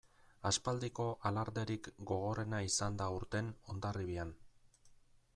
Aspaldiko alarderik gogorrena izan da aurten Hondarribian.